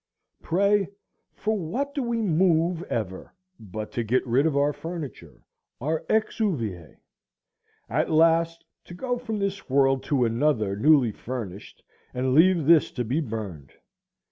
Pray, for what do we move ever but to get rid of our furniture, our exuviæ; at last to go from this world to another newly furnished, and leave this to be burned?